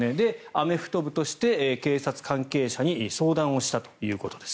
アメフト部として警察関係者に相談したということです。